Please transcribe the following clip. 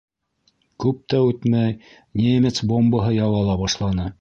Күп тә үтмәй, немец бомбаһы яуа ла башланы.